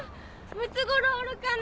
ムツゴロウおるかな？